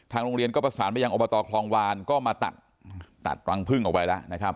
โรงเรียนก็ประสานไปยังอบตคลองวานก็มาตัดตัดรังพึ่งเอาไว้แล้วนะครับ